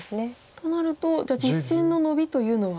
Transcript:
となると実戦のノビというのは。